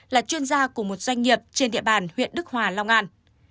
là chuyên gia của một doanh nghiệp trên địa bàn huyện đức hòa long an